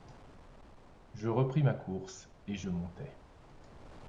Je repris ma course, et je montai